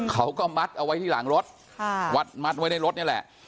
เขาก็มัดเอาไว้ที่หลังรถมัดไว้ในรถนี่แหละ